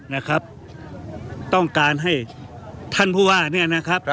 นะครับต้องการให้ท่านผู้ว่าเนี่ยนะครับ